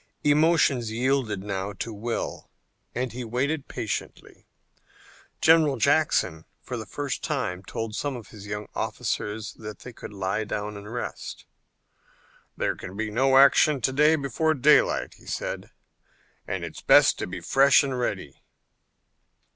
Emotions yielded now to will and he waited patiently. General Jackson for the first time told some of his young officers that they could lie down and rest. "There can be no action before daylight," he said, "and it's best to be fresh and ready."